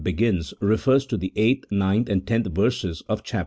begins, refers to the 8th, 9th, and 10th verses of chap.